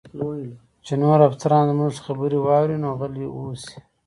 چې نور افسران زموږ خبرې واوري، نو غلي اوسئ.